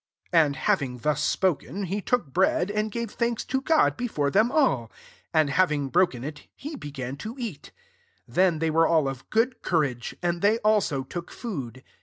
'' 35 And, hid ing thus spoken, he took and gave thanks to God b them all ; and, having brol it, he began to eat. 36 Tl they were all of good counge and they also took food.